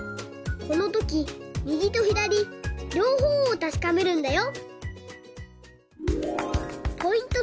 このときみぎとひだりりょうほうをたしかめるんだよ！